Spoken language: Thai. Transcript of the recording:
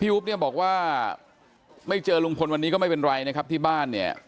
พี่อุ๊ปบอกว่าไม่เจอลุงพลวันนี้ก็ไม่เป็นไรนะครับที่บ้าน